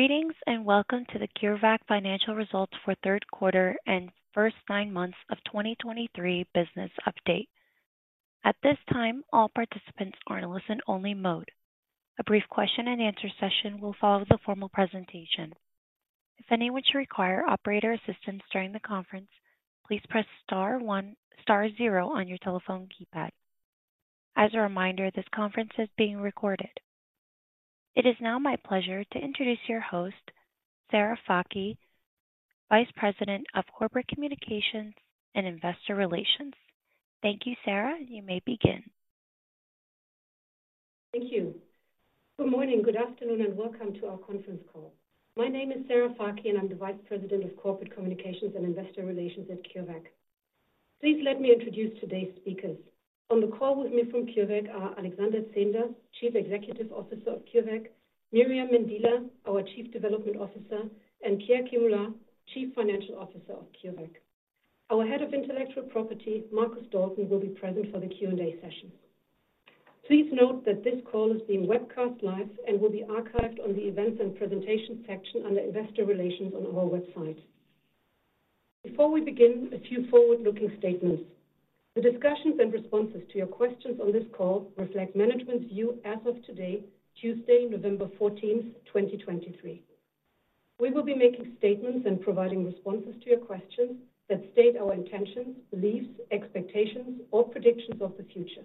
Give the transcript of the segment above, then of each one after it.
Greetings, and welcome to the CureVac Financial Results for Third Quarter and first nine months of 2023 business update. At this time, all participants are in listen-only mode. A brief question-and-answer session will follow the formal presentation. If any of which require operator assistance during the conference, please press star one, star zero on your telephone keypad. As a reminder, this conference is being recorded. It is now my pleasure to introduce your host, Sarah Fakih, Vice President of Corporate Communications and Investor Relations. Thank you, Sarah. You may begin. Thank you. Good morning, good afternoon, and welcome to our conference call. My name is Sarah Fakih, and I'm the Vice President of Corporate Communications and Investor Relations at CureVac. Please let me introduce today's speakers. On the call with me from CureVac are Alexander Zehnder, Chief Executive Officer of CureVac, Myriam Mendila, our Chief Development Officer, and Pierre Kemula, Chief Financial Officer of CureVac. Our Head of Intellectual Property, Markus Dalton, will be present for the Q&A session. Please note that this call is being webcast live and will be archived on the Events and Presentation section under Investor Relations on our website. Before we begin, a few forward-looking statements. The discussions and responses to your questions on this call reflect management's view as of today, Tuesday, November 14th, 2023. We will be making statements and providing responses to your questions that state our intentions, beliefs, expectations, or predictions of the future.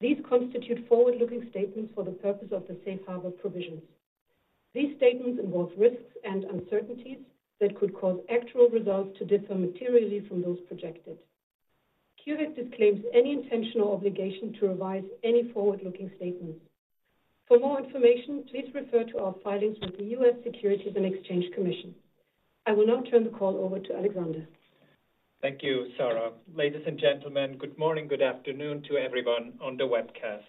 These constitute forward-looking statements for the purpose of the safe harbor provisions. These statements involve risks and uncertainties that could cause actual results to differ materially from those projected. CureVac disclaims any intentional obligation to revise any forward-looking statements. For more information, please refer to our filings with the U.S. Securities and Exchange Commission. I will now turn the call over to Alexander. Thank you, Sarah. Ladies and gentlemen, good morning, good afternoon to everyone on the webcast.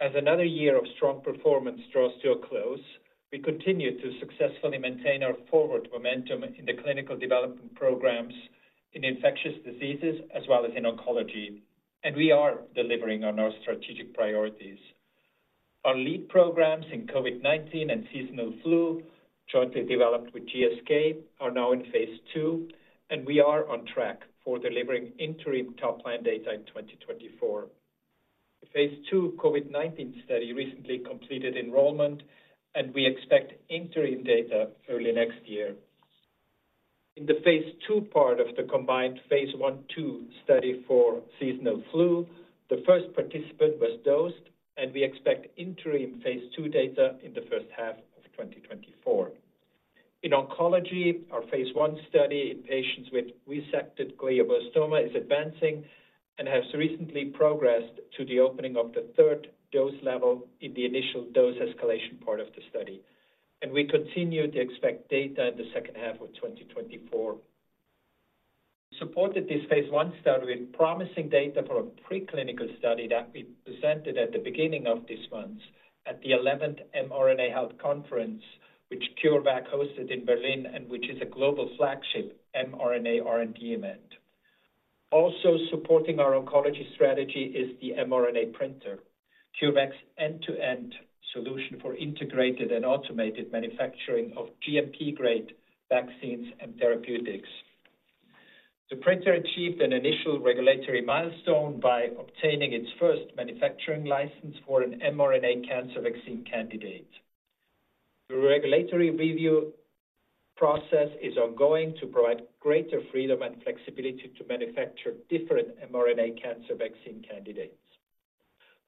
As another year of strong performance draws to a close, we continue to successfully maintain our forward momentum in the clinical development programs in infectious diseases as well as in oncology, and we are delivering on our strategic priorities. Our lead programs in COVID-19 and seasonal flu, jointly developed with GSK, are now in phase II, and we are on track for delivering interim top-line data in 2024. The phase II COVID-19 study recently completed enrollment, and we expect interim data early next year. In the phase II part of the combined phase I/II study for seasonal flu, the first participant was dosed, and we expect interim phase II data in the first half of 2024. In oncology, our phase I study in patients with resected glioblastoma is advancing and has recently progressed to the opening of the third dose level in the initial dose escalation part of the study, and we continue to expect data in the second half of 2024. Supported this phase I study with promising data from a preclinical study that we presented at the beginning of this month at the 11th mRNA Health Conference, which CureVac hosted in Berlin and which is a global flagship mRNA R&D event. Also supporting our oncology strategy is the RNA Printer, CureVac's end-to-end solution for integrated and automated manufacturing of GMP-grade vaccines and therapeutics. The printer achieved an initial regulatory milestone by obtaining its first manufacturing license for an mRNA cancer vaccine candidate. The regulatory review process is ongoing to provide greater freedom and flexibility to manufacture different mRNA cancer vaccine candidates.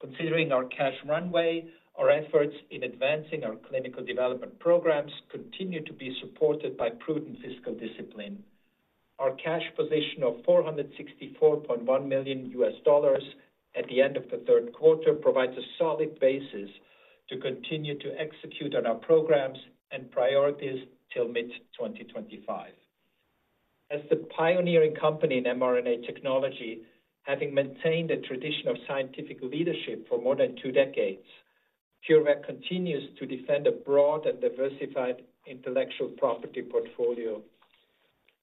Considering our cash runway, our efforts in advancing our clinical development programs continue to be supported by prudent fiscal discipline. Our cash position of $464.1 million at the end of the third quarter provides a solid basis to continue to execute on our programs and priorities till mid-2025. As the pioneering company in mRNA technology, having maintained a tradition of scientific leadership for more than two decades, CureVac continues to defend a broad and diversified intellectual property portfolio.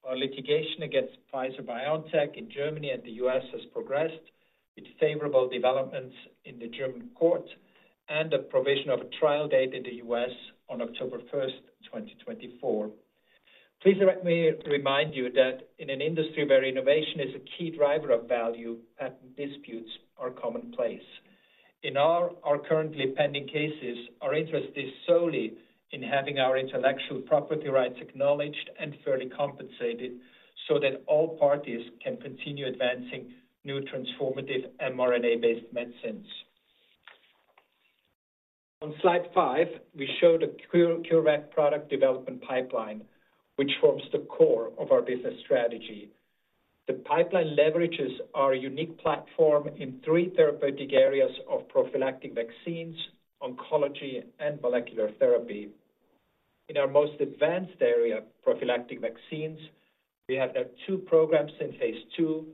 Our litigation against Pfizer-BioNTech in Germany and the U.S. has progressed, with favorable developments in the German court and the provision of a trial date in the U.S. on October 1, 2024. Please let me remind you that in an industry where innovation is a key driver of value, patent disputes are commonplace. In our currently pending cases, our interest is solely in having our intellectual property rights acknowledged and fairly compensated so that all parties can continue advancing new transformative mRNA-based medicines. On slide five, we show the CureVac product development pipeline, which forms the core of our business strategy. The pipeline leverages our unique platform in three therapeutic areas of prophylactic vaccines, oncology, and molecular therapy. In our most advanced area, prophylactic vaccines, we have now two programs in phase II,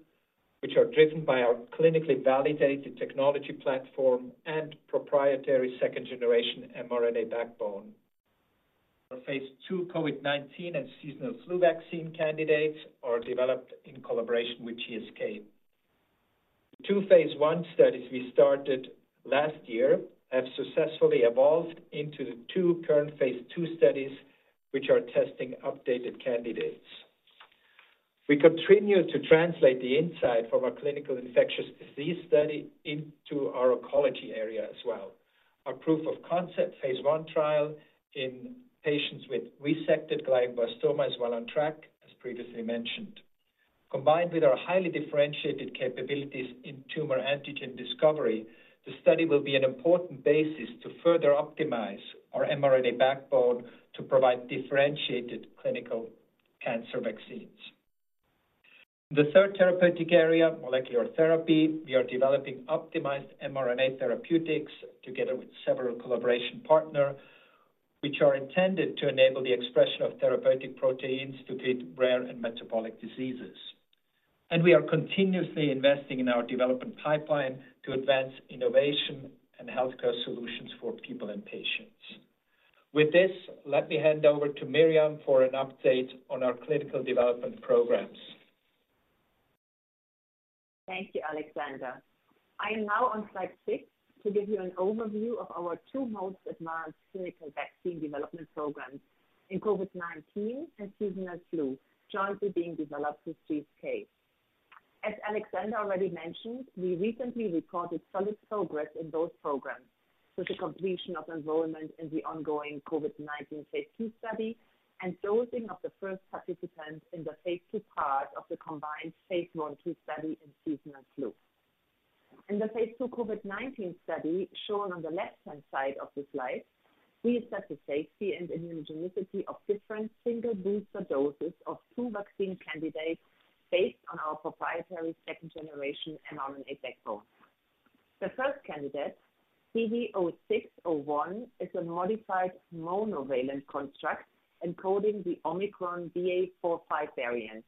which are driven by our clinically validated technology platform and proprietary second-generation mRNA backbone. Our phase II COVID-19 and seasonal flu vaccine candidates are developed in collaboration with GSK. Two phase I studies we started last year have successfully evolved into the two current phase II studies, which are testing updated candidates. We continue to translate the insight from our clinical infectious disease study into our oncology area as well. Our proof of concept phase I trial in patients with resected glioblastoma is well on track, as previously mentioned. Combined with our highly differentiated capabilities in tumor antigen discovery, the study will be an important basis to further optimize our mRNA backbone to provide differentiated clinical cancer vaccines. The third therapeutic area, molecular therapy, we are developing optimized mRNA therapeutics together with several collaboration partner, which are intended to enable the expression of therapeutic proteins to treat rare and metabolic diseases. We are continuously investing in our development pipeline to advance innovation and healthcare solutions for people and patients. With this, let me hand over to Myriam for an update on our clinical development programs. Thank you, Alexander. I am now on slide six to give you an overview of our two most advanced clinical vaccine development programs in COVID-19 and seasonal flu, jointly being developed with GSK. As Alexander already mentioned, we recently reported solid progress in those programs with the completion of enrollment in the ongoing COVID-19 phase II study and dosing of the first participants in the phase II part of the combined phase I/II study in seasonal flu. In the phase II COVID-19 study, shown on the left-hand side of this slide, we assess the safety and immunogenicity of different single booster doses of two vaccine candidates based on our proprietary second generation mRNA backbone. The first candidate, CV0501, is a modified monovalent construct encoding the Omicron BA.4/5 variant.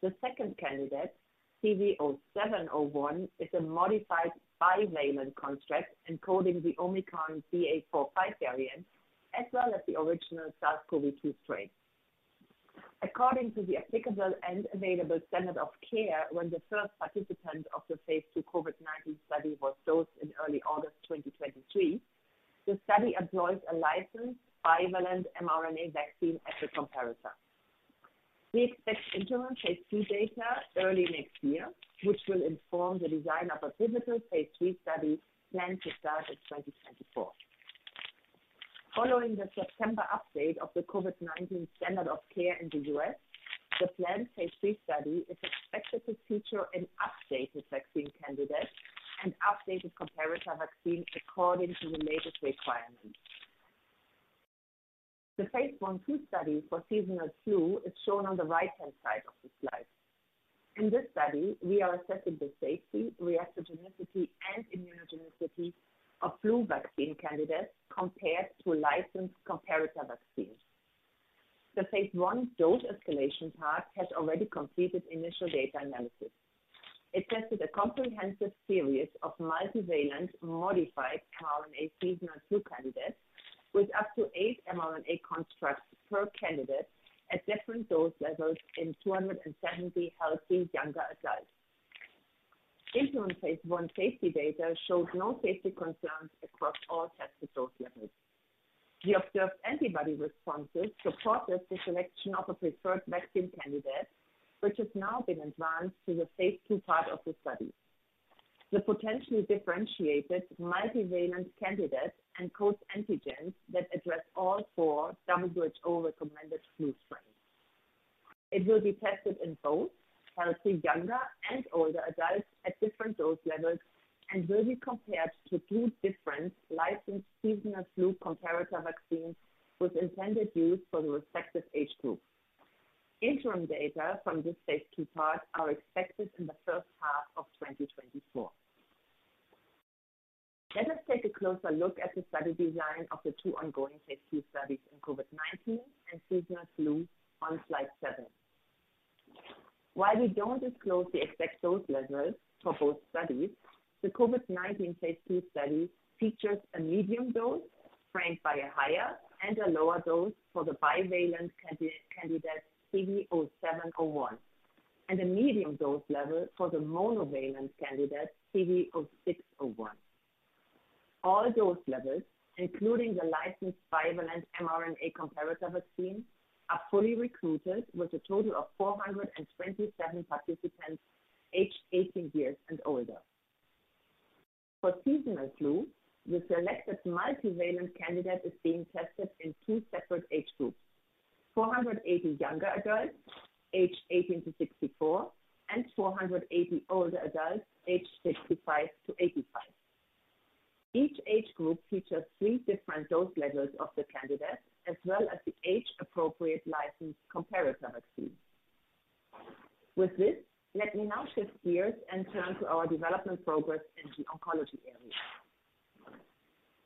The second candidate, CV0701, is a modified bivalent construct encoding the Omicron BA.4/5 variant, as well as the original SARS-CoV-2 strain. According to the applicable and available standard of care, when the first participant of the phase II COVID-19 study was dosed in early August 2023, the study employs a licensed bivalent mRNA vaccine as a comparator. We expect interim phase II data early next year, which will inform the design of a pivotal phase III study planned to start in 2024. Following the September update of the COVID-19 standard of care in the U.S., the planned phase III study is expected to feature an updated vaccine candidate and updated comparator vaccine according to the latest requirements. The phase I/II study for seasonal flu is shown on the right-hand side of the slide. In this study, we are assessing the safety, reactogenicity, and immunogenicity of flu vaccine candidates compared to licensed comparator vaccines. The phase I dose escalation part has already completed initial data analysis. It tested a comprehensive series of multivalent modified mRNA seasonal flu candidates with up to eight mRNA constructs per candidate at different dose levels in 270 healthy younger adults. Interim phase I safety data showed no safety concerns across all tested dose levels. The observed antibody responses supported the selection of a preferred vaccine candidate, which has now been advanced to the phase II part of the study. The potentially differentiated multivalent candidate encodes antigens that address all four WHO-recommended flu strains. It will be tested in both healthy, younger, and older adults at different dose levels and will be compared to two different licensed seasonal flu comparator vaccines with intended use for the respective age group. Interim data from this phase II part are expected in the first half of 2024. Let us take a closer look at the study design of the two ongoing phase II studies in COVID-19 and seasonal flu on slide seven. While we don't disclose the expected dose levels for both studies, the COVID-19 phase II study features a medium dose framed by a higher and a lower dose for the bivalent candidate CV0701, and a medium dose level for the monovalent candidate, CV0501. All dose levels, including the licensed bivalent mRNA comparator vaccine, are fully recruited with a total of 427 participants aged 18 years and older. For seasonal flu, the selected multivalent candidate is being tested in two separate age groups: 480 younger adults aged 18-64, and 480 older adults aged 65-85. Each age group features three different dose levels of the candidate, as well as the age-appropriate licensed comparator vaccine. With this, let me now shift gears and turn to our development progress in the oncology area.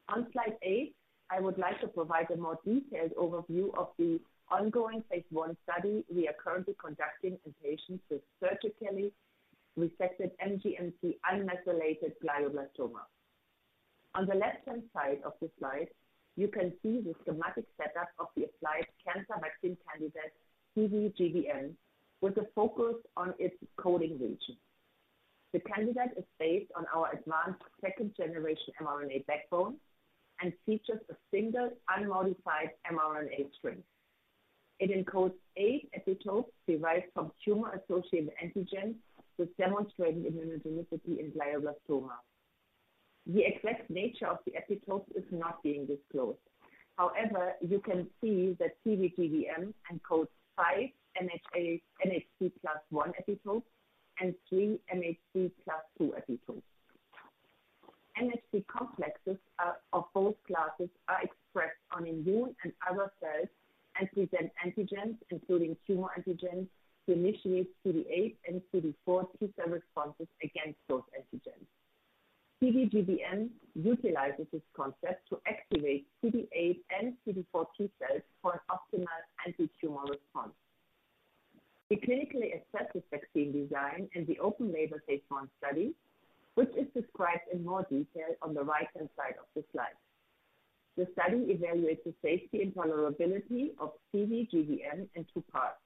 On slide eight, I would like to provide a more detailed overview of the ongoing phase I study we are currently conducting in patients with surgically resected MGMT unmethylated glioblastoma. On the left-hand side of the slide, you can see the schematic setup of the applied cancer vaccine candidate, CVGBM, with a focus on its coding region. The candidate is based on our advanced second-generation mRNA backbone and features a single unmodified mRNA string. It encodes eight epitopes derived from tumor-associated antigens with demonstrated immunogenicity in glioblastoma. The exact nature of the epitopes is not being disclosed. However, you can see that CVGBM encodes 5 MHC class I epitopes and 3 MHC class II epitopes. MHC complexes, of both classes, are expressed on immune and other cells, and present antigens, including tumor antigens, to initiate CD8 and CD4 T cell responses against those antigens. CVGBM utilizes this concept to activate CD8 and CD4 T cells for an optimal antitumor response. We clinically assessed this vaccine design in the open-label phase I study, which is described in more detail on the right-hand side of the slide. The study evaluates the safety and tolerability of CVGBM in two parts.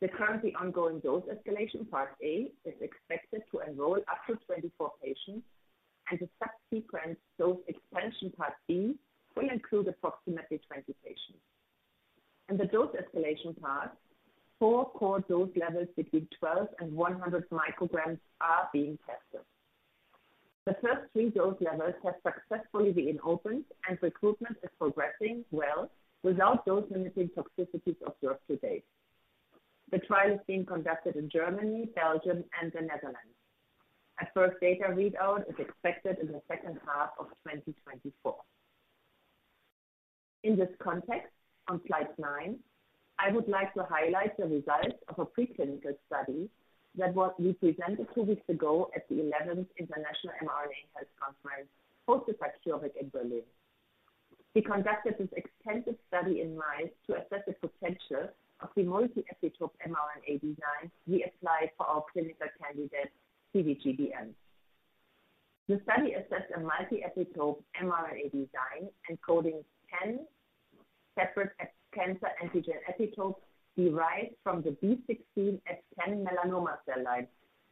The currently ongoing dose escalation, part A, is expected to enroll up to 24 patients, and the subsequent dose expansion, part B, will include approximately 20 patients. In the dose escalation part, four core dose levels between 12 and 100 micrograms are being tested. The first three dose levels have successfully been opened, and recruitment is progressing well without dose-limiting toxicities observed to date. The trial is being conducted in Germany, Belgium, and the Netherlands. A first data readout is expected in the second half of 2024. In this context, on slide nine, I would like to highlight the results of a preclinical study that was presented two weeks ago at the eleventh International mRNA Health Conference, hosted by CureVac in Berlin. We conducted this extensive study in mice to assess the potential of the multi-epitope mRNA design we applied for our clinical candidate, CVGBM. The study assessed a multi-epitope mRNA design, encoding 10 separate epitope cancer antigen epitopes derived from the B16F10 melanoma cell line,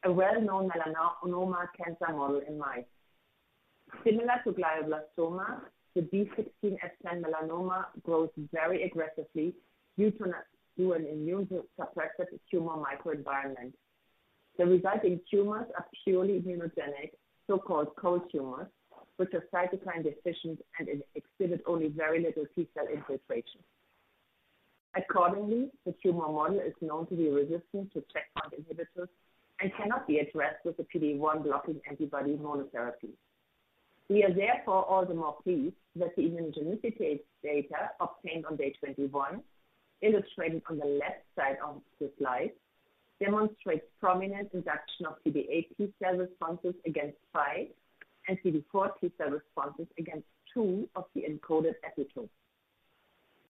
a well-known melanoma cancer model in mice. Similar to glioblastoma, the B16F10 melanoma grows very aggressively due to an immune-suppressive tumor microenvironment. The resulting tumors are purely immunogenic, so-called cold tumors, which are cytokine deficient and exhibit only very little T cell infiltration. Accordingly, the tumor model is known to be resistant to checkpoint inhibitors and cannot be addressed with a PD-1 blocking antibody monotherapy. We are therefore all the more pleased that the immunogenicity data obtained on day 21, illustrated on the left side of the slide, demonstrates prominent induction of CD8 T cell responses against five, and CD4 T cell responses against two of the encoded epitopes.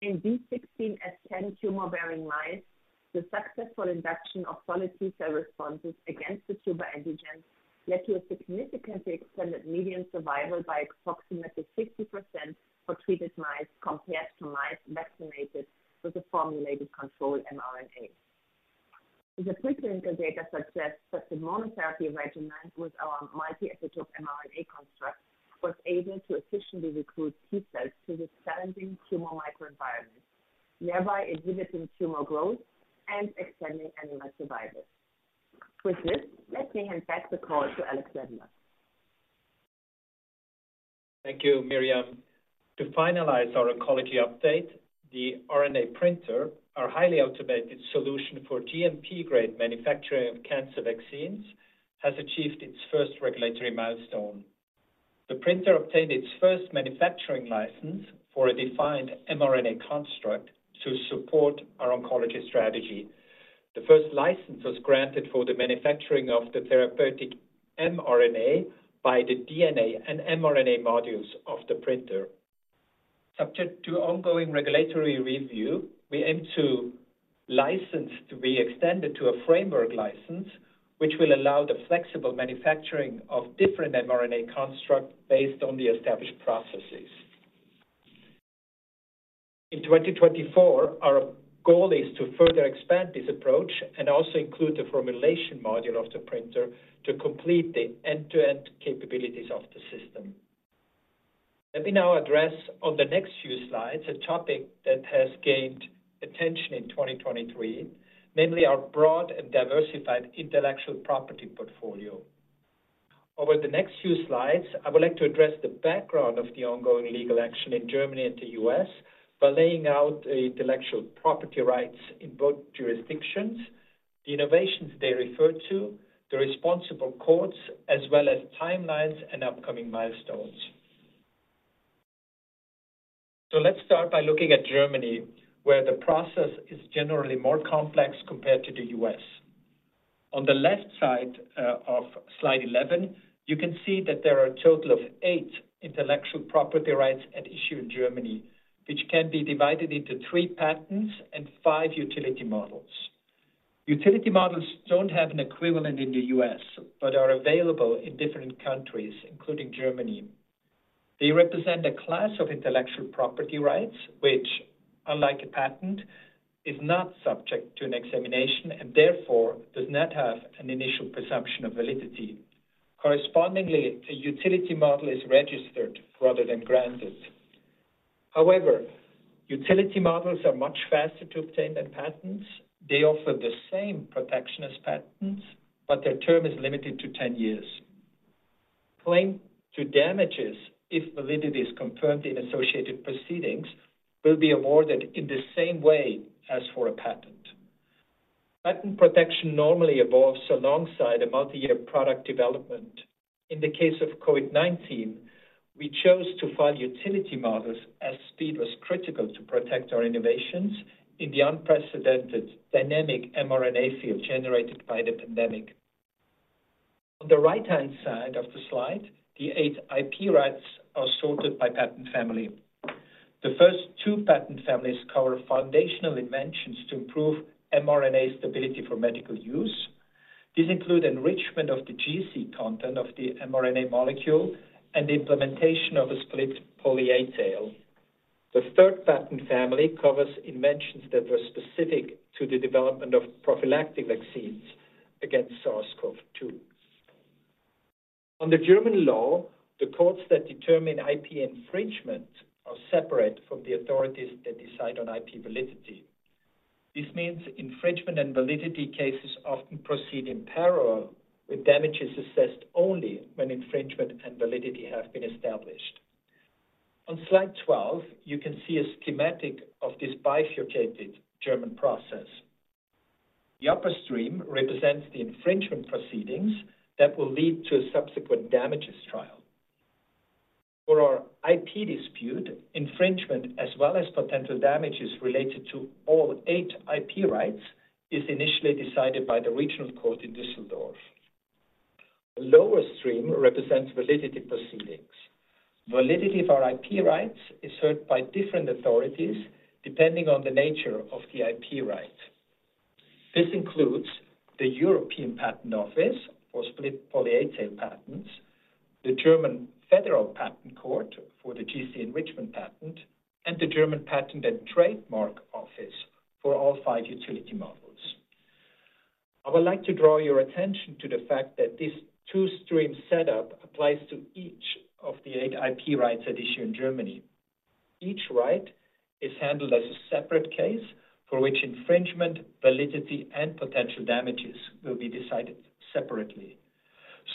In B16F10 tumor-bearing mice, the successful induction of solid T cell responses against the tumor antigens led to a significantly extended median survival by approximately 60% for treated mice, compared to mice vaccinated with a formulated control mRNA. The preclinical data suggests that the monotherapy regimen with our multi-epitope mRNA construct was able to efficiently recruit T cells to the challenging tumor microenvironment, thereby inhibiting tumor growth and extending animal survival. With this, let me hand back the call to Alexander. Thank you, Myriam. To finalize our oncology update, the RNA Printer, our highly automated solution for GMP-grade manufacturing of cancer vaccines, has achieved its first regulatory milestone. The printer obtained its first manufacturing license for a defined mRNA construct to support our oncology strategy. The first license was granted for the manufacturing of the therapeutic mRNA by the DNA and mRNA modules of the printer. Subject to ongoing regulatory review, we aim to license to be extended to a framework license, which will allow the flexible manufacturing of different mRNA constructs based on the established processes. In 2024, our goal is to further expand this approach and also include the formulation module of the printer to complete the end-to-end capabilities of the system. Let me now address on the next few slides, a topic that has gained attention in 2023, namely our broad and diversified intellectual property portfolio. Over the next few slides, I would like to address the background of the ongoing legal action in Germany and the U.S. by laying out the intellectual property rights in both jurisdictions, the innovations they refer to, the responsible courts, as well as timelines and upcoming milestones. Let's start by looking at Germany, where the process is generally more complex compared to the U.S. On the left side of slide 11, you can see that there are a total of eight intellectual property rights at issue in Germany, which can be divided into three patents and five utility models. Utility models don't have an equivalent in the U.S., but are available in different countries, including Germany. They represent a class of intellectual property rights, which, unlike a patent, is not subject to an examination and therefore does not have an initial presumption of validity. Correspondingly, a utility model is registered rather than granted. However, utility models are much faster to obtain than patents. They offer the same protection as patents, but their term is limited to ten years. Claim to damages, if validity is confirmed in associated proceedings, will be awarded in the same way as for a patent. Patent protection normally evolves alongside a multi-year product development. In the case of COVID-19, we chose to file utility models as speed was critical to protect our innovations in the unprecedented dynamic mRNA field generated by the pandemic. On the right-hand side of the slide, the eight IP rights are sorted by patent family. The first two patent families cover foundational inventions to improve mRNA stability for medical use. These include enrichment of the GC content of the mRNA molecule and the implementation of a split polyA tail. The third patent family covers inventions that were specific to the development of prophylactic vaccines against SARS-CoV-2. Under German law, the courts that determine IP infringement are separate from the authorities that decide on IP validity. This means infringement and validity cases often proceed in parallel, with damages assessed only when infringement and validity have been established. On slide 12, you can see a schematic of this bifurcated German process. The upper stream represents the infringement proceedings that will lead to a subsequent damages trial. For our IP dispute, infringement, as well as potential damages related to all eight IP rights, is initially decided by the regional court in Düsseldorf. The lower stream represents validity proceedings. Validity of our IP rights is heard by different authorities, depending on the nature of the IP right. This includes the European Patent Office for split polyA tail patents, the German Federal Patent Court for the GC enrichment patent, and the German Patent and Trademark Office for all five utility models. I would like to draw your attention to the fact that this two-stream setup applies to each of the eight IP rights at issue in Germany. Each right is handled as a separate case, for which infringement, validity, and potential damages will be decided separately.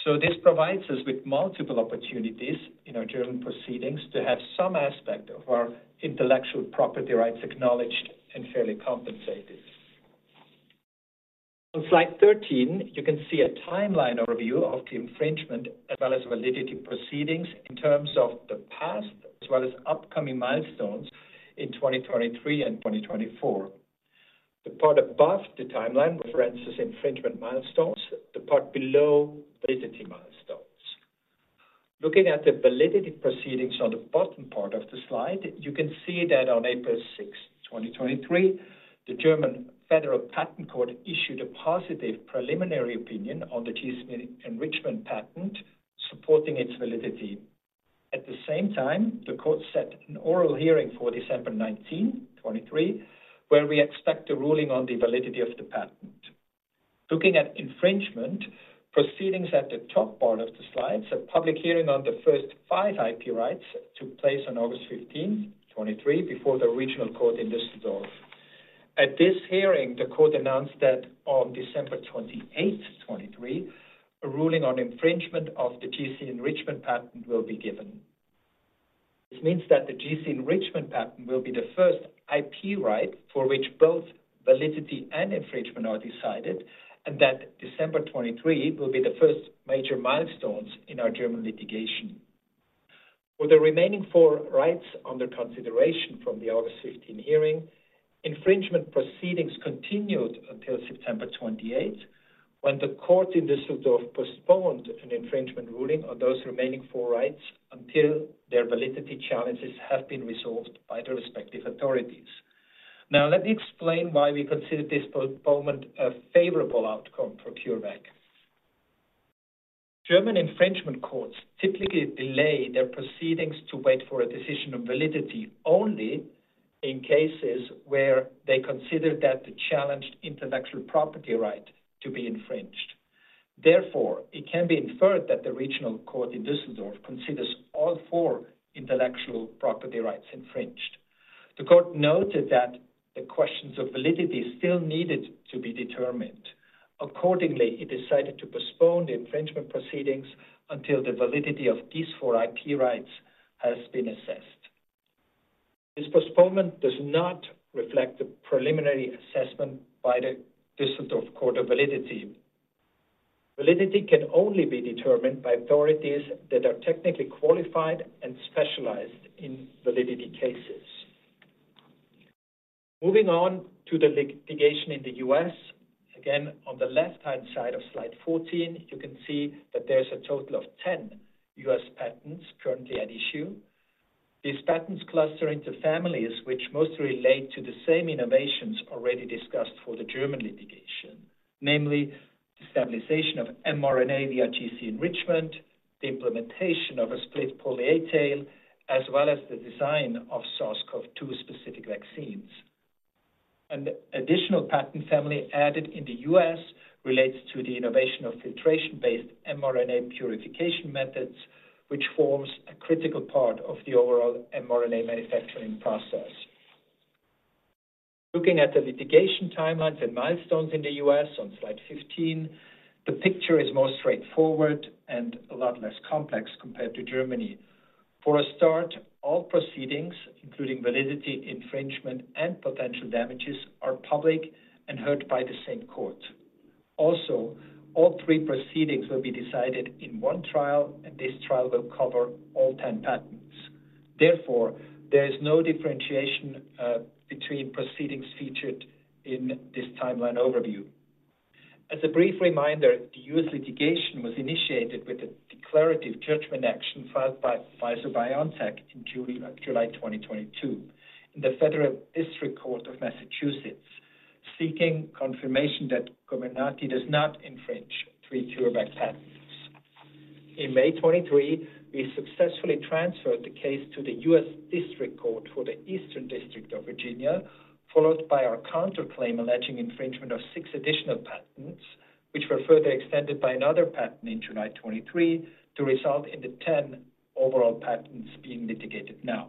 So this provides us with multiple opportunities in our German proceedings to have some aspect of our intellectual property rights acknowledged and fairly compensated. On slide 13, you can see a timeline overview of the infringement as well as validity proceedings in terms of the past, as well as upcoming milestones in 2023 and 2024. The part above the timeline references infringement milestones, the part below, validity milestones. Looking at the validity proceedings on the bottom part of the slide, you can see that on April 6, 2023, the German Federal Patent Court issued a positive preliminary opinion on the GC enrichment patent, supporting its validity. At the same time, the court set an oral hearing for December 19, 2023, where we expect a ruling on the validity of the patent. Looking at infringement proceedings at the top part of the slide, a public hearing on the first five IP rights took place on August 15, 2023, before the regional court in Düsseldorf. At this hearing, the court announced that on December 28, 2023, a ruling on infringement of the GC enrichment patent will be given. This means that the GC enrichment patent will be the first IP right for which both validity and infringement are decided, and that December 2023 will be the first major milestones in our German litigation. For the remaining four rights under consideration from the August 15 hearing, infringement proceedings continued until September 28, when the court in Düsseldorf postponed an infringement ruling on those remaining four rights until their validity challenges have been resolved by the respective authorities. Now, let me explain why we consider this postponement a favorable outcome for CureVac. German infringement courts typically delay their proceedings to wait for a decision on validity only in cases where they consider that the challenged intellectual property right to be infringed. Therefore, it can be inferred that the regional court in Düsseldorf considers all four intellectual property rights infringed. The court noted that the questions of validity still needed to be determined. Accordingly, it decided to postpone the infringement proceedings until the validity of these four IP rights has been assessed. This postponement does not reflect the preliminary assessment by the Düsseldorf Court of Validity. Validity can only be determined by authorities that are technically qualified and specialized in validity cases. Moving on to the litigation in the U.S. Again, on the left-hand side of slide 14, you can see that there's a total of 10 U.S. patents currently at issue.... These patents cluster into families, which mostly relate to the same innovations already discussed for the German litigation. Namely, the stabilization of mRNA via GC enrichment, the implementation of a split polyA tail, as well as the design of SARS-CoV-2 specific vaccines. An additional patent family added in the U.S. relates to the innovation of filtration-based mRNA purification methods, which forms a critical part of the overall mRNA manufacturing process. Looking at the litigation timelines and milestones in the U.S. on slide 15, the picture is more straightforward and a lot less complex compared to Germany. For a start, all proceedings, including validity, infringement, and potential damages, are public and heard by the same court. Also, all three proceedings will be decided in one trial, and this trial will cover all 10 patents. Therefore, there is no differentiation between proceedings featured in this timeline overview. As a brief reminder, the U.S. litigation was initiated with a declarative judgment action filed by Pfizer-BioNTech in July 2022, in the Federal District Court of Massachusetts, seeking confirmation that Comirnaty does not infringe three CureVac patents. In May 2023, we successfully transferred the case to the U.S. District Court for the Eastern District of Virginia, followed by our counterclaim alleging infringement of six additional patents, which were further extended by another patent in July 2023, to result in the 10 overall patents being litigated now.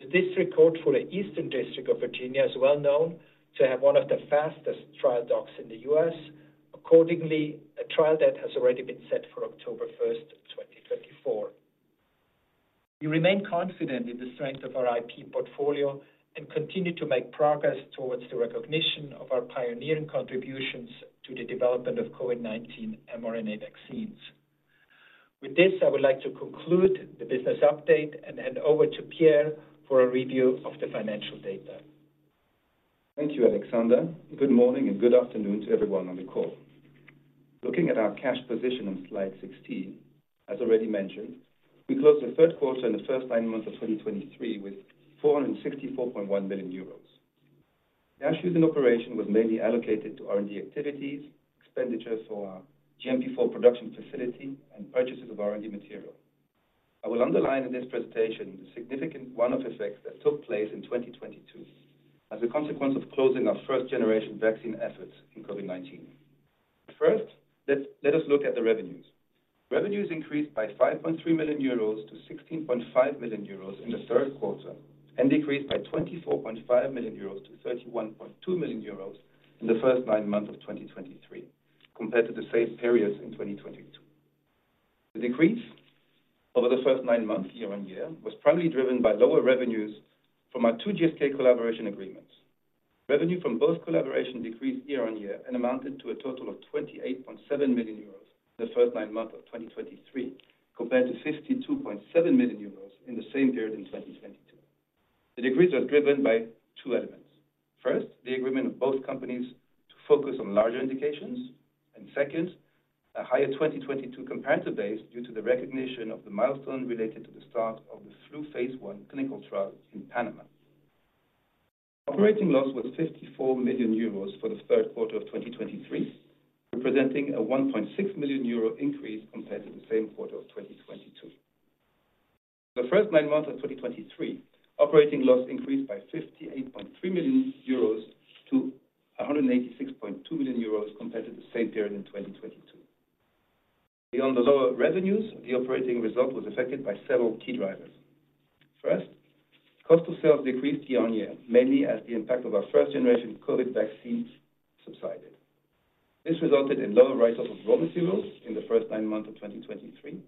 The District Court for the Eastern District of Virginia is well known to have one of the fastest trial dockets in the U.S. Accordingly, a trial date has already been set for October 1, 2024. We remain confident in the strength of our IP portfolio and continue to make progress towards the recognition of our pioneering contributions to the development of COVID-19 mRNA vaccines. With this, I would like to conclude the business update and hand over to Pierre for a review of the financial data. Thank you, Alexander. Good morning and good afternoon to everyone on the call. Looking at our cash position on slide 16, as already mentioned, we closed the third quarter and the first nine months of 2023 with 464.1 million euros. Cash use in operation was mainly allocated to R&D activities, expenditures for our GMP IV production facility, and purchases of R&D material. I will underline in this presentation the significant one-off effects that took place in 2022, as a consequence of closing our first-generation vaccine efforts in COVID-19. First, let us look at the revenues. Revenues increased by 5.3 million-16.5 million euros in the third quarter, and decreased by 24.5 million-31.2 million euros in the first nine months of 2023, compared to the same periods in 2022. The decrease over the first nine months year-on-year was primarily driven by lower revenues from our two GSK collaboration agreements. Revenue from both collaborations decreased year-on-year and amounted to a total of 28.7 million euros in the first nine months of 2023, compared to 52.7 million euros in the same period in 2022. The decrease is driven by two elements. First, the agreement of both companies to focus on larger indications, and second, a higher 2022 comparator base due to the recognition of the milestone related to the start of the flu phase I clinical trial in Panama. Operating loss was 54 million euros for the third quarter of 2023, representing a 1.6 million euro increase compared to the same quarter of 2022. The first nine months of 2023, operating loss increased by 58.3 million-186.2 million euros compared to the same period in 2022. Beyond the lower revenues, the operating result was affected by several key drivers. First, cost of sales decreased year-on-year, mainly as the impact of our first-generation COVID vaccines subsided. This resulted in lower write-off of raw materials in the first nine months of 2023,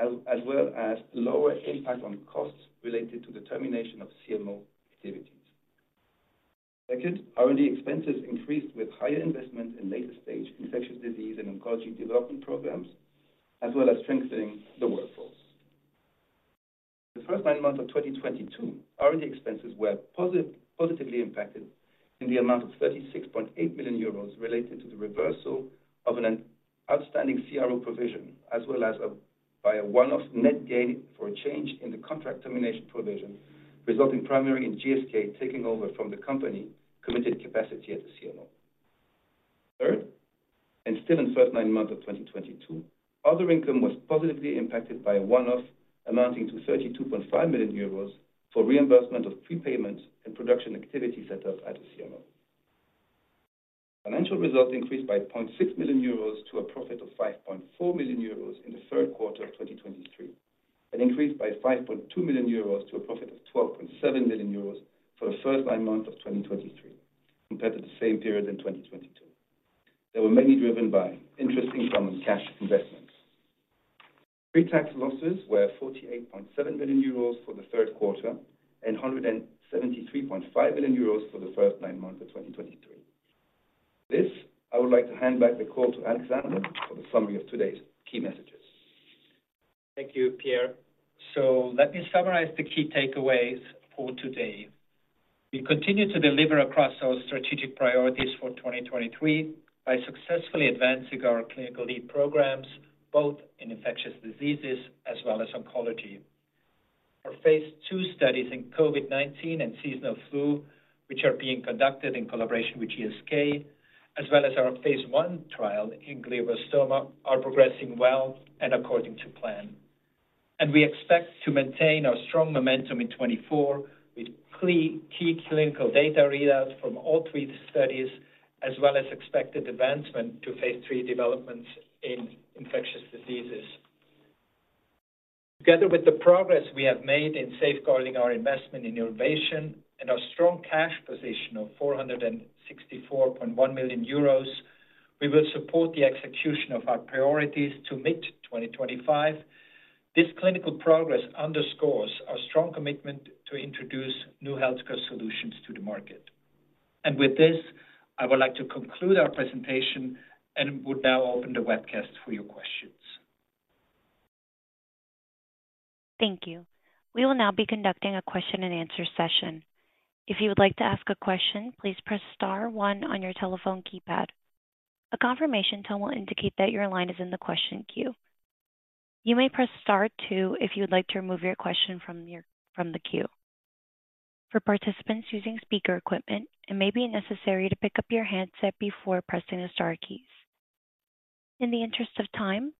as well as lower impact on costs related to the termination of CMO activities. Second, R&D expenses increased with higher investment in later-stage infectious disease and oncology development programs, as well as strengthening the workforce. The first nine months of 2022, R&D expenses were positively impacted in the amount of 36.8 million euros related to the reversal of an outstanding CRO provision, as well as by a one-off net gain for a change in the contract termination provision, resulting primarily in GSK taking over from the company committed capacity at the CMO. Third, and still in first nine months of 2022, other income was positively impacted by a one-off amounting to 32.5 million euros for reimbursement of prepayments and production activity set up at the CMO. Financial results increased by 0.6 million euros to a profit of 5.4 million euros in the third quarter of 2023, and increased by 5.2 million euros to a profit of 12.7 million euros for the first nine months of 2023, compared to the same period in 2022. They were mainly driven by interest income and cash investments. Pre-tax losses were 48.7 million euros for the third quarter and 173.5 million euros for the first nine months of 2023. This, I would like to hand back the call to Alexander for the summary of today's key messages. Thank you, Pierre. Let me summarize the key takeaways for today. We continue to deliver across our strategic priorities for 2023 by successfully advancing our clinical lead programs, both in infectious diseases as well as oncology. Our phase II studies in COVID-19 and seasonal flu, which are being conducted in collaboration with GSK, as well as our phase I trial in glioblastoma, are progressing well and according to plan. We expect to maintain our strong momentum in 2024, with clear key clinical data readouts from all three studies, as well as expected advancement to phase III developments in infectious diseases. Together with the progress we have made in safeguarding our investment in innovation and our strong cash position of 464.1 million euros, we will support the execution of our priorities to mid-2025. This clinical progress underscores our strong commitment to introduce new healthcare solutions to the market. With this, I would like to conclude our presentation and would now open the webcast for your questions. Thank you. We will now be conducting a question and answer session. If you would like to ask a question, please press star one on your telephone keypad. A confirmation tone will indicate that your line is in the question queue. You may press star two if you would like to remove your question from the queue. For participants using speaker equipment, it may be necessary to pick up your handset before pressing the star keys. In the interest of time,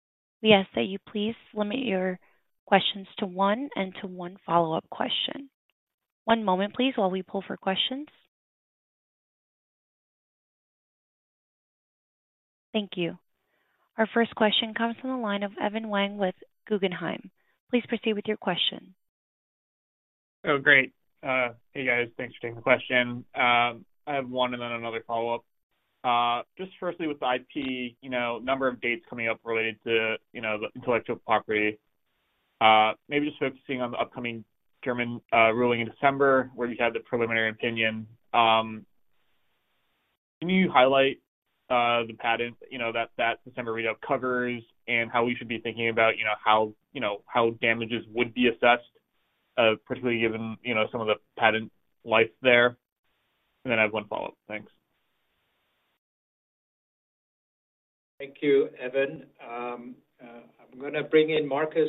we ask that you please limit your questions to one and to one follow-up question. One moment, please, while we pull for questions. Thank you. Our first question comes from the line of Evan Wang with Guggenheim. Please proceed with your question. Oh, great. Hey, guys. Thanks for taking the question. I have one and then another follow-up. Just firstly with the IP, you know, number of dates coming up related to, you know, the intellectual property. Maybe just focusing on the upcoming German ruling in December, where you had the preliminary opinion. Can you highlight the patents, you know, that that December read out covers and how we should be thinking about, you know, how damages would be assessed, particularly given, you know, some of the patent life there? And then I have one follow-up. Thanks. Thank you, Evan. I'm going to bring in Markus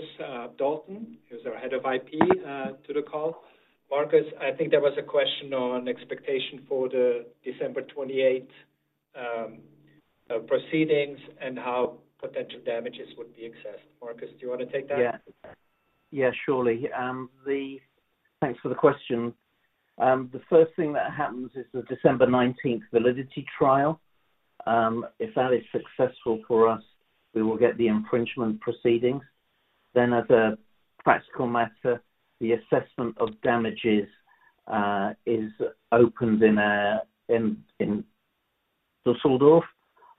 Dalton, who's our head of IP, to the call. Markus, I think there was a question on expectation for the December 28 proceedings and how potential damages would be assessed. Markus, do you want to take that? Yeah. Yeah, surely. Thanks for the question. The first thing that happens is the December 19th validity trial. If that is successful for us, we will get the infringement proceedings. Then as a practical matter, the assessment of damages is opened in Düsseldorf,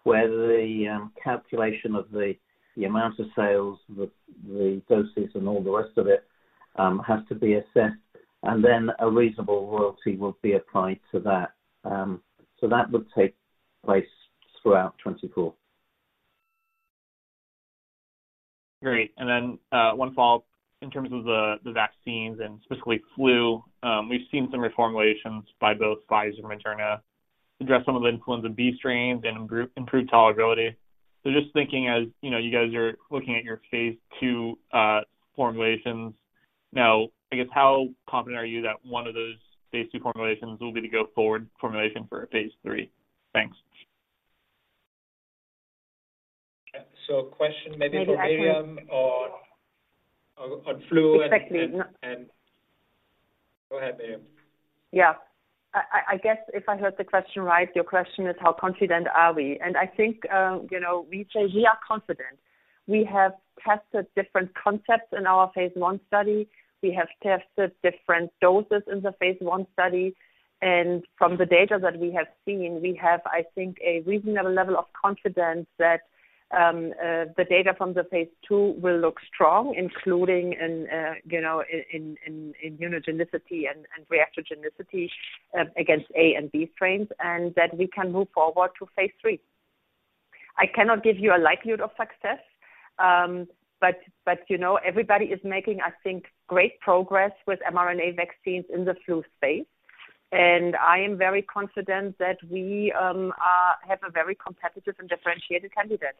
where the calculation of the amount of sales, the doses, and all the rest of it has to be assessed, and then a reasonable royalty will be applied to that. So that would take place throughout 2024. Great. And then, one follow-up in terms of the vaccines and specifically flu. We've seen some reformulations by both Pfizer and Moderna to address some of the influenza B strains and improve tolerability. So just thinking as, you know, you guys are looking at your phase II formulations now, I guess, how confident are you that one of those phase II formulations will be the go-forward formulation for a phase III? Thanks. Question maybe- Maybe I can- On flu. Exactly. Go ahead, Myriam. Yeah. I guess if I heard the question right, your question is: how confident are we? And I think, you know, we say we are confident. We have tested different concepts in our phase I study. We have tested different doses in the phase I study, and from the data that we have seen, we have, I think, a reasonable level of confidence that the data from the phase II will look strong, including in, you know, in, in, in immunogenicity and reactogenicity against A and B strains, and that we can move forward to phase III. I cannot give you a likelihood of success, but, you know, everybody is making, I think, great progress with mRNA vaccines in the flu space, and I am very confident that we have a very competitive and differentiated candidate.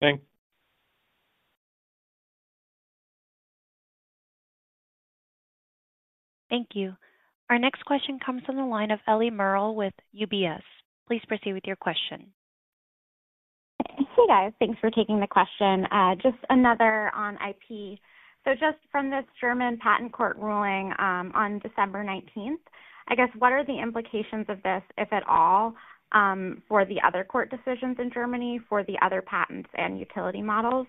Thanks. Thank you. Our next question comes from the line of Ellie Merle with UBS. Please proceed with your question. Hey, guys. Thanks for taking the question. Just another on IP. So just from this German patent court ruling, on December 19th, I guess, what are the implications of this, if at all, for the other court decisions in Germany, for the other patents and utility models?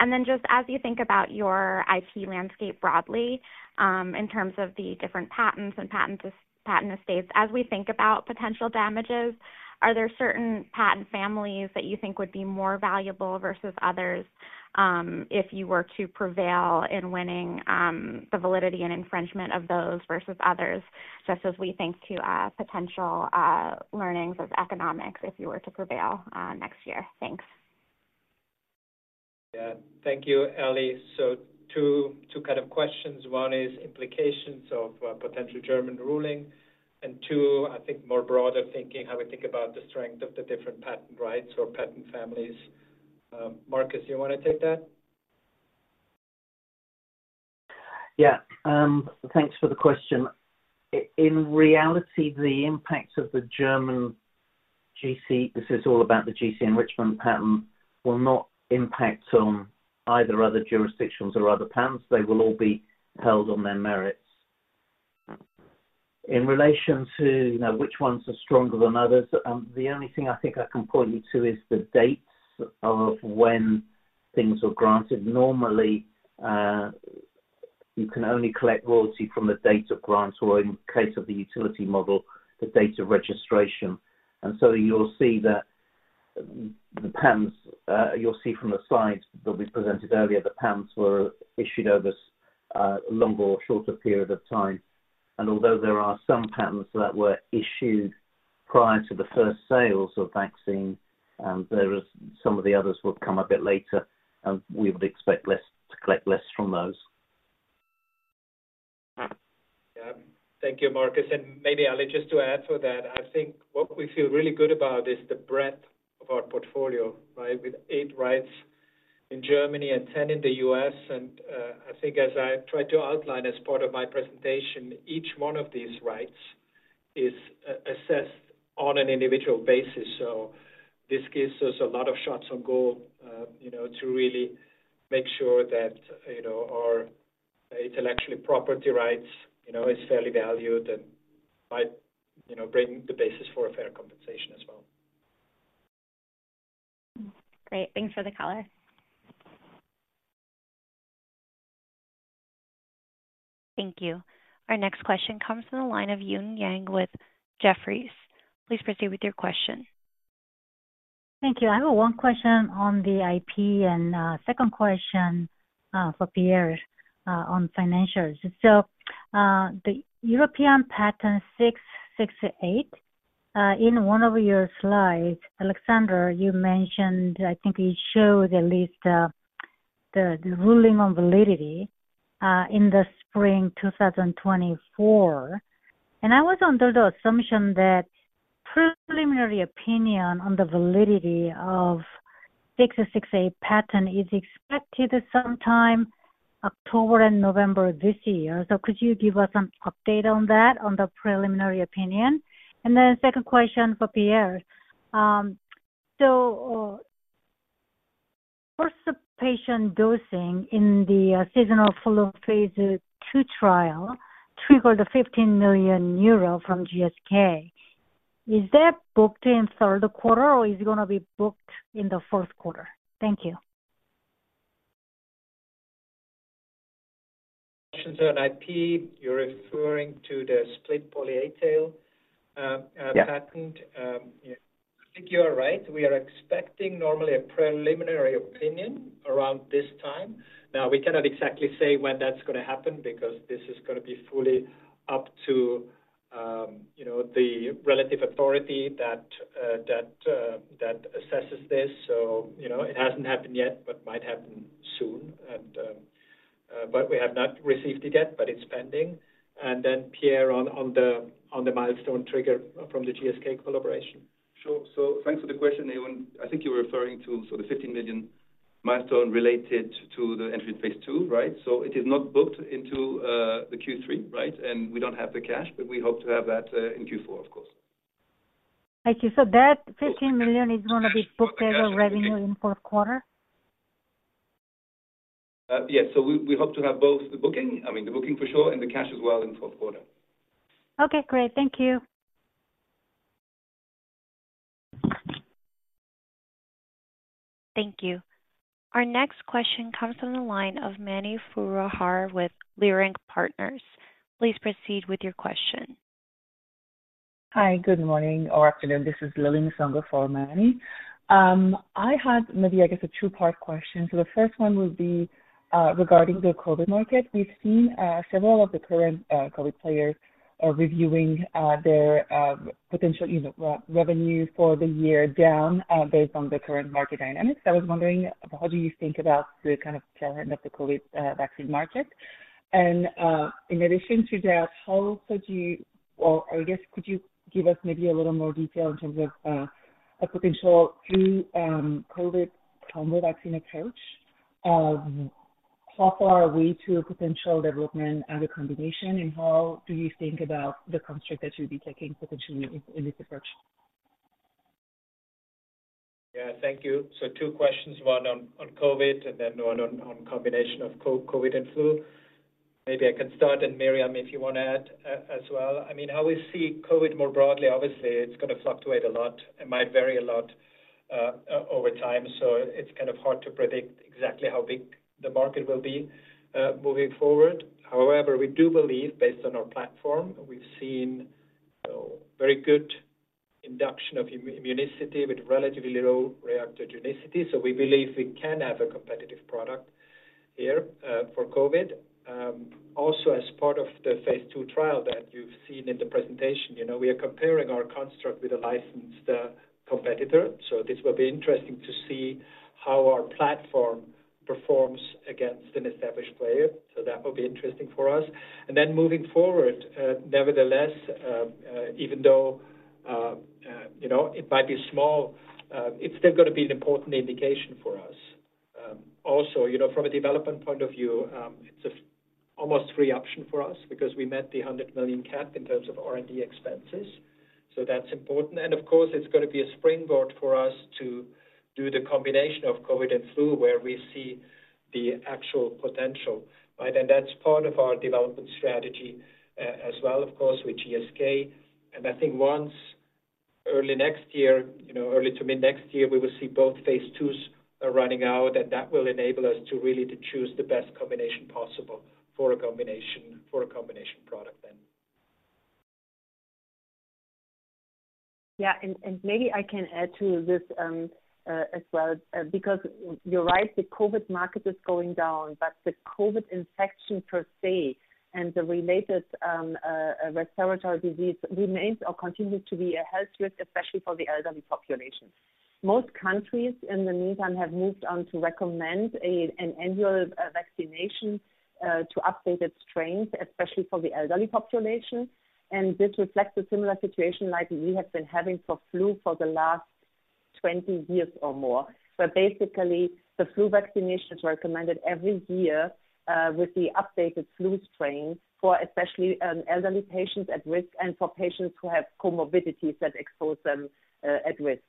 And then just as you think about your IP landscape broadly, in terms of the different patents and patents, patent estates, as we think about potential damages, are there certain patent families that you think would be more valuable versus others, if you were to prevail in winning, the validity and infringement of those versus others, just as we think to, potential, learnings of economics, if you were to prevail, next year? Thanks.... Yeah. Thank you, Ellie. So two, two kind of questions. One is implications of a potential German ruling, and two, I think more broader thinking, how we think about the strength of the different patent rights or patent families. Markus, you want to take that? Yeah, thanks for the question. In reality, the impact of the German GC, this is all about the GC enrichment patent, will not impact on either other jurisdictions or other patents. They will all be held on their merits. In relation to, you know, which ones are stronger than others, the only thing I think I can point you to is the dates of when things were granted. Normally, you can only collect royalty from the date of grants, or in case of the utility model, the date of registration. And so you'll see that the patents, you'll see from the slides that we presented earlier, the patents were issued over a longer or shorter period of time. And although there are some patents that were issued prior to the first sales of vaccine, there is some of the others will come a bit later, and we would expect less to collect less from those. Yeah. Thank you, Markus. And maybe, I will just to add to that, I think what we feel really good about is the breadth of our portfolio, right? With eight rights in Germany and 10 in the U.S. And, I think as I tried to outline as part of my presentation, each one of these rights is assessed on an individual basis. So this gives us a lot of shots on goal, you know, to really make sure that, you know, our intellectual property rights, you know, is fairly valued and might, you know, bring the basis for a fair compensation as well. Great. Thanks for the color. Thank you. Our next question comes from the line of Eun Yang with Jefferies. Please proceed with your question. Thank you. I have one question on the IP and second question for Pierre on financials. So, the European Patent 668, in one of your slides, Alexander, you mentioned, I think you showed at least the ruling on validity in the spring 2024. And I was under the assumption that preliminary opinion on the validity of 668 patent is expected sometime October and November this year. So could you give us an update on that, on the preliminary opinion? And then second question for Pierre. So, participation dosing in the seasonal flu phase II trial triggered a 15 million euro from GSK. Is that booked in third quarter, or is it gonna be booked in the fourth quarter? Thank you. Questions on IP. You're referring to the split polyA tail. Yeah - patent. I think you're right. We are expecting normally a preliminary opinion around this time. Now, we cannot exactly say when that's going to happen because this is going to be fully up to, you know, the relevant authority that assesses this. So, you know, it hasn't happened yet, but might happen soon. But we have not received it yet, but it's pending. And then Pierre, on the milestone trigger from the GSK collaboration. Sure. So thanks for the question, Yoon. I think you were referring to sort of 15 million milestone related to the entry phase II, right? So it is not booked into the Q3, right? And we don't have the cash, but we hope to have that in Q4, of course. Thank you. So that 15 million is gonna be booked as revenue in fourth quarter? Yes. So we hope to have both the booking, I mean, the booking for sure, and the cash as well in fourth quarter. Okay, great. Thank you. Thank you. Our next question comes from the line of Mani Foroohar with Leerink Partners. Please proceed with your question. Hi, good morning or afternoon. This is Lili Nsongo for Mani. I had maybe, I guess, a two-part question. So the first one would be regarding the COVID market. We've seen several of the current COVID players are reviewing their potential, you know, revenue for the year down based on the current market dynamics. I was wondering, how do you think about the kind of challenge of the COVID vaccine market? And in addition to that, how could you... Well, I guess, could you give us maybe a little more detail in terms of a potential flu COVID combo vaccine approach? How far are we to a potential development and a combination, and how do you think about the construct that you'll be taking potentially in this approach? Yeah. Thank you. So two questions, one on COVID, and then one on combination of COVID and flu. Maybe I can start, and Myriam, if you want to add as well. I mean, how we see COVID more broadly, obviously, it's going to fluctuate a lot. It might vary a lot over time, so it's kind of hard to predict exactly how big the market will be moving forward. However, we do believe, based on our platform, we've seen very good induction of immunity with relatively low reactogenicity. So we believe we can have a competitive product... here for COVID. Also, as part of the phase two trial that you've seen in the presentation, you know, we are comparing our construct with a licensed competitor, so this will be interesting to see how our platform performs against an established player. So that will be interesting for us. And then moving forward, nevertheless, you know, it might be small, it's still gonna be an important indication for us. Also, you know, from a development point of view, it's almost free option for us because we met the 100 million cap in terms of R&D expenses, so that's important. And of course, it's gonna be a springboard for us to do the combination of COVID and flu, where we see the actual potential, right? And that's part of our development strategy, as well, of course, with GSK. I think once early next year, you know, early to mid next year, we will see both phase twos running out, and that will enable us to really to choose the best combination possible for a combination, for a combination product then. Yeah, and maybe I can add to this as well, because you're right, the COVID market is going down, but the COVID infection per se and the related respiratory disease remains or continues to be a health risk, especially for the elderly population. Most countries in the meantime have moved on to recommend an annual vaccination to updated strains, especially for the elderly population. And this reflects a similar situation like we have been having for flu for the last 20 years or more. But basically, the flu vaccination is recommended every year with the updated flu strain, for especially elderly patients at risk and for patients who have comorbidities that expose them at risk.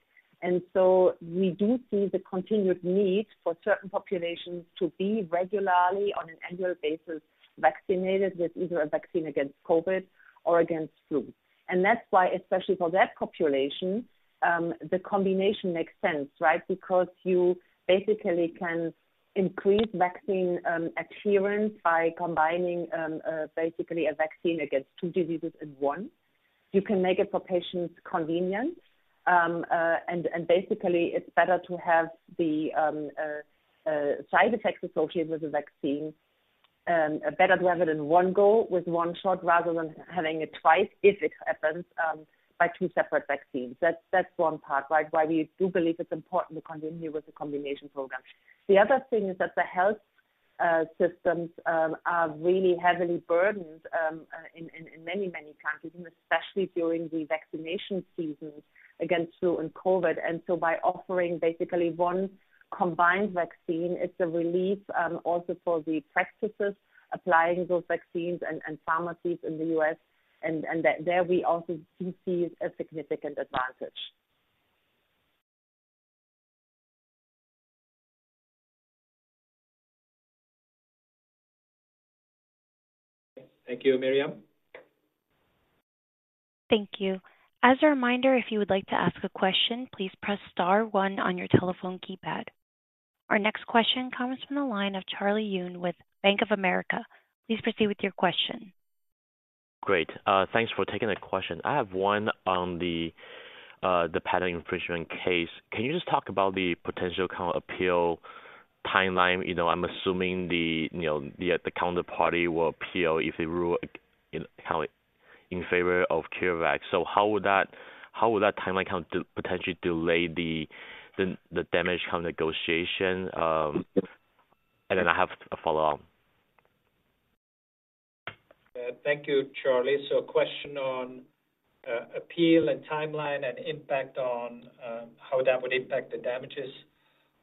So we do see the continued need for certain populations to be regularly, on an annual basis, vaccinated with either a vaccine against COVID or against flu. That's why, especially for that population, the combination makes sense, right? Because you basically can increase vaccine adherence by combining basically a vaccine against two diseases in one. You can make it for patients convenient, and basically, it's better to have the side effects associated with the vaccine, better to have it in one go with one shot, rather than having it twice, if it happens, by two separate vaccines. That's one part, right? Why we do believe it's important to continue with the combination program. The other thing is that the health systems are really heavily burdened in many countries, and especially during the vaccination seasons against flu and COVID. And so by offering basically one combined vaccine, it's a relief also for the practices applying those vaccines and pharmacies in the U.S., and that there we also do see a significant advantage. Thank you, Myriam. Thank you. As a reminder, if you would like to ask a question, please press star one on your telephone keypad. Our next question comes from the line of Charlie Yang with Bank of America. Please proceed with your question. Great. Thanks for taking the question. I have one on the patent infringement case. Can you just talk about the potential kind of appeal timeline? You know, I'm assuming the, you know, the counterparty will appeal if they rule in, kind of, in favor of CureVac. So how would that, how would that timeline count to potentially delay the, the, the damage kind of negotiation? And then I have a follow-up. Thank you, Charlie. So question on appeal and timeline and impact on how that would impact the damages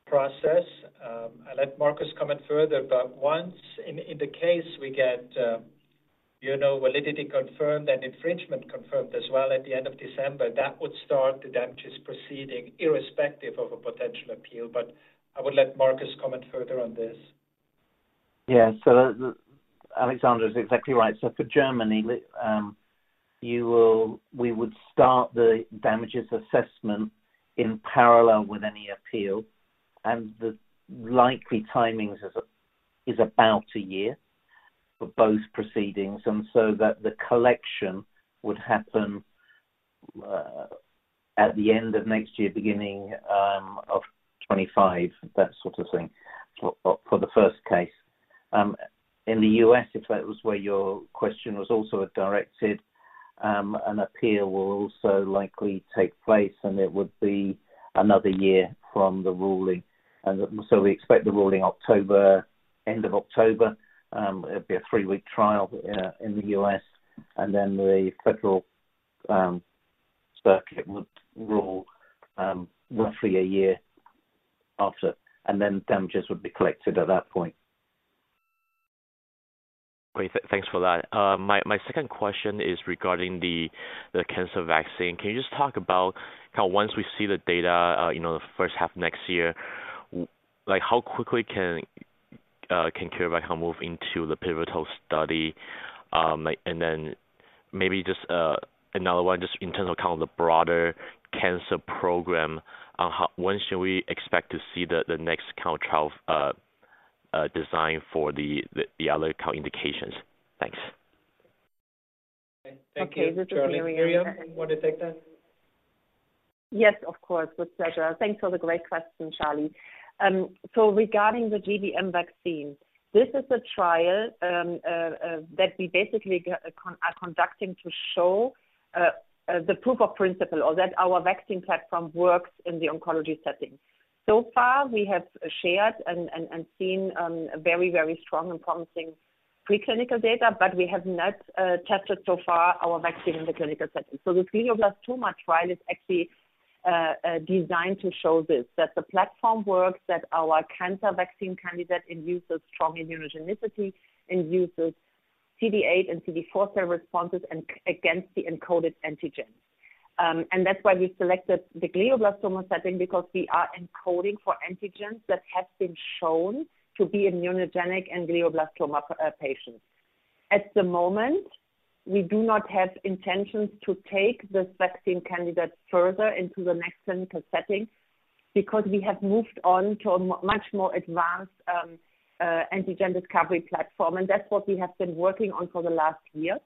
process. I'll let Markus comment further, but once in the case we get, you know, validity confirmed and infringement confirmed as well at the end of December, that would start the damages proceeding irrespective of a potential appeal. But I would let Markus comment further on this. Yeah. So Alexander is exactly right. So for Germany, we would start the damages assessment in parallel with any appeal, and the likely timing is about a year for both proceedings. And so the collection would happen at the end of next year, beginning of 25, that sort of thing, for the first case. In the U.S., if that was where your question was also directed, an appeal will also likely take place, and it would be another year from the ruling. And so we expect the ruling October, end of October. It'd be a three week trial in the U.S., and then the federal circuit would rule roughly a year after, and then damages would be collected at that point. Great. Thanks for that. My second question is regarding the cancer vaccine. Can you just talk about how once we see the data, you know, the first half of next year, like how quickly can CureVac move into the pivotal study? And then maybe just another one, just in terms of kind of the broader cancer program, how, when should we expect to see the next kind of trial design for the other kind of indications? Thanks.... Thank you, Charlie. Myriam, want to take that? Yes, of course. With pleasure. Thanks for the great question, Charlie. So regarding the GBM vaccine, this is a trial that we basically are conducting to show the proof of principle or that our vaccine platform works in the oncology setting. So far, we have shared and seen very, very strong and promising preclinical data, but we have not tested so far our vaccine in the clinical setting. So the glioblastoma trial is actually designed to show this, that the platform works, that our cancer vaccine candidate induces strong immunogenicity, induces CD8 and CD4 cell responses and against the encoded antigens. And that's why we selected the glioblastoma setting, because we are encoding for antigens that have been shown to be immunogenic in glioblastoma patients. At the moment, we do not have intentions to take this vaccine candidate further into the next clinical setting because we have moved on to a much more advanced antigen discovery platform, and that's what we have been working on for the last year,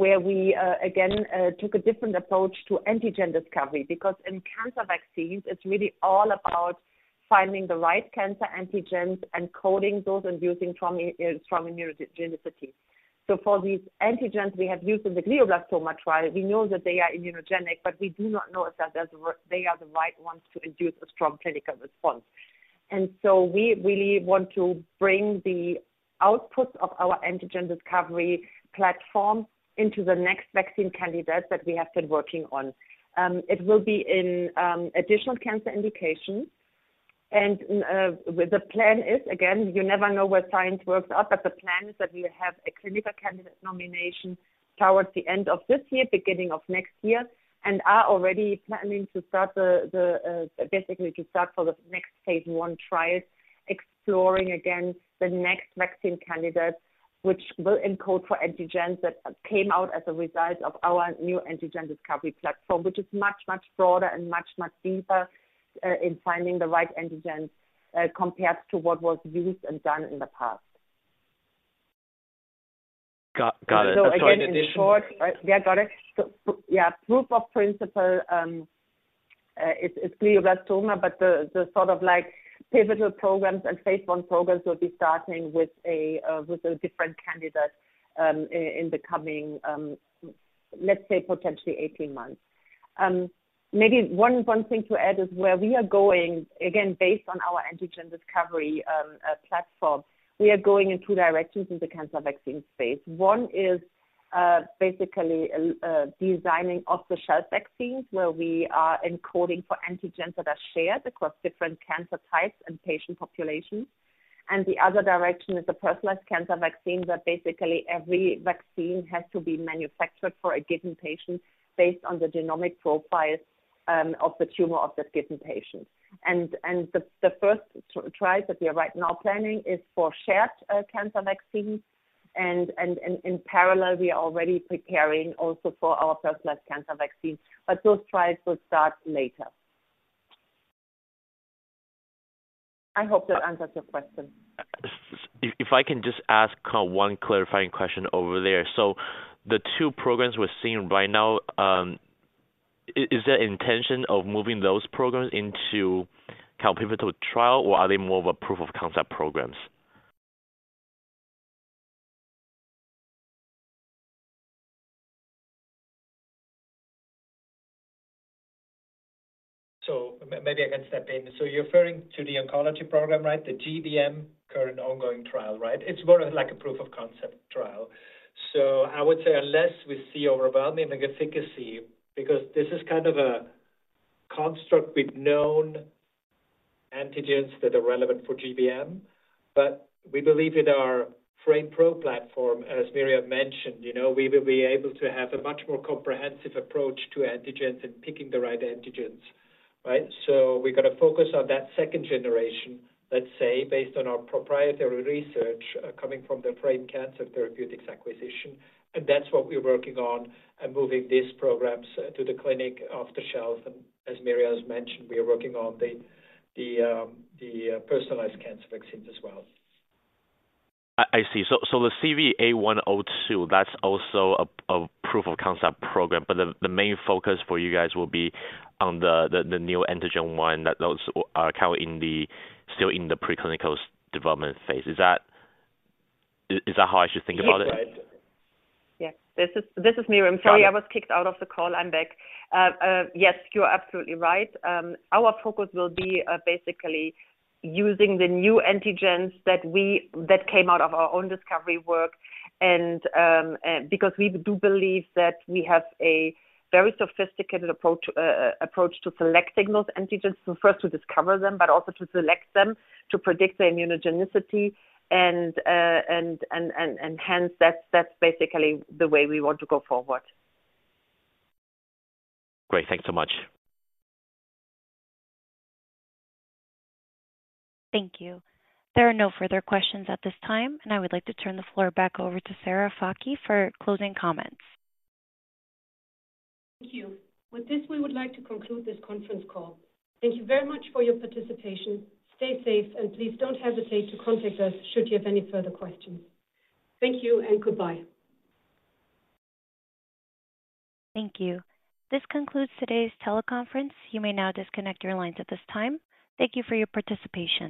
where we again took a different approach to antigen discovery. Because in cancer vaccines, it's really all about finding the right cancer antigens and coding those inducing strong immunogenicity. So for these antigens we have used in the glioblastoma trial, we know that they are immunogenic, but we do not know if that they are the right ones to induce a strong clinical response. And so we really want to bring the outputs of our antigen discovery platform into the next vaccine candidate that we have been working on. It will be in additional cancer indications. The plan is, again, you never know where science works out, but the plan is that we have a clinical candidate nomination towards the end of this year, beginning of next year, and are already planning to start, basically to start for the next phase I trial, exploring again the next vaccine candidate, which will encode for antigens that came out as a result of our new antigen discovery platform, which is much, much deeper in finding the right antigens compared to what was used and done in the past. Got it. So again, in short... Yeah, got it? So, yeah, proof of principle. It's glioblastoma, but the sort of like pivotal programs and phase I programs will be starting with a different candidate in the coming, let's say potentially 18 months. Maybe one thing to add is where we are going. Again, based on our antigen discovery platform, we are going in two directions in the cancer vaccine space. One is basically designing off-the-shelf vaccines, where we are encoding for antigens that are shared across different cancer types and patient populations. And the other direction is the personalized cancer vaccine that basically every vaccine has to be manufactured for a given patient based on the genomic profile of the tumor of this given patient. And the first trial that we are right now planning is for shared cancer vaccine and in parallel, we are already preparing also for our personalized cancer vaccine, but those trials will start later. I hope that answers your question. If I can just ask one clarifying question over there. So the two programs we're seeing right now, is there intention of moving those programs into kind of pivotal trial, or are they more of a proof of concept programs? So maybe I can step in. So you're referring to the oncology program, right? The GBM current ongoing trial, right? It's more of like a proof of concept trial. So I would say unless we see overwhelming efficacy, because this is kind of a construct with known antigens that are relevant for GBM, but we believe in our FRAMEpro platform, as Myriam mentioned, you know, we will be able to have a much more comprehensive approach to antigens and picking the right antigens, right? So we got to focus on that second generation, let's say, based on our proprietary research, coming from the Frame Cancer Therapeutics acquisition, and that's what we're working on and moving these programs to the clinic off the shelf. And as Myriam has mentioned, we are working on the personalized cancer vaccines as well. I see. So the CVA102, that's also a proof of concept program, but the main focus for you guys will be on the new antigen one, that those are kind of still in the preclinical development phase. Is that how I should think about it? Yes, right. Yeah. This is Myriam. Sorry, I was kicked out of the call; I'm back. Yes, you are absolutely right. Our focus will be basically using the new antigens that we... that came out of our own discovery work, and because we do believe that we have a very sophisticated approach to selecting those antigens, so first to discover them, but also to select them, to predict their immunogenicity, and hence that's basically the way we want to go forward. Great. Thanks so much. Thank you. There are no further questions at this time, and I would like to turn the floor back over to Sarah Fakih for closing comments. Thank you. With this, we would like to conclude this conference call. Thank you very much for your participation. Stay safe, and please don't hesitate to contact us should you have any further questions. Thank you and goodbye. Thank you. This concludes today's teleconference. You may now disconnect your lines at this time. Thank you for your participation.